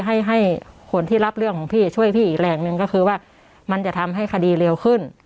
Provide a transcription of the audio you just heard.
ให้ให้คนที่รับเรื่องของพี่ช่วยพี่อีกแหล่งหนึ่งก็คือว่ามันจะทำให้คดีเร็วขึ้น